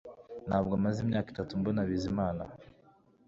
Ntabwo maze imyaka itatu mbona Bizimana